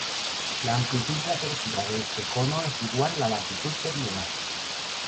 La amplitud de apertura de este cono es igual la latitud del lugar.